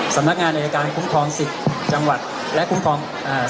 สำนักงานอายการคุ้มครองสิทธิ์จังหวัดและคุ้มครองอ่า